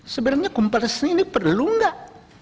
sebenarnya kompolnas ini perlu enggak